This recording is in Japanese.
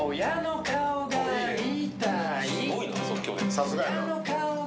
さすがや。